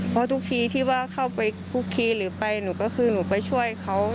เพราะทุกทีที่ว่าเข้าไปคุกคีหรือไปหนูก็คือหนูไปช่วยเขา